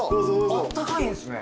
あったかいんすね。